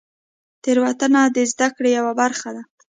تېروتنه د زدهکړې یوه برخه ده.